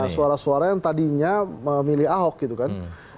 suara suara yang tadinya memilih ahok gitu kan